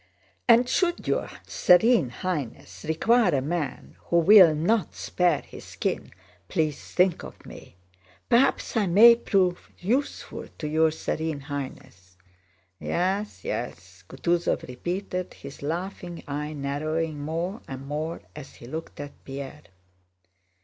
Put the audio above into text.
"And should your Serene Highness require a man who will not spare his skin, please think of me.... Perhaps I may prove useful to your Serene Highness." "Yes... Yes..." Kutúzov repeated, his laughing eye narrowing more and more as he looked at Pierre.